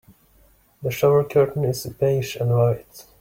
The shower curtain is beige and white.